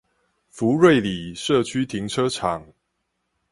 福瑞里社區停車場